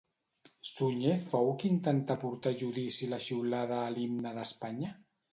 Sunyer fou qui intentà portar a judici la xiulada a l'himne d'Espanya?